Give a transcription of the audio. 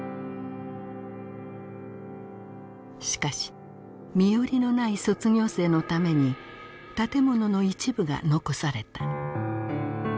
しかし身寄りのない卒業生のために建物の一部が残された。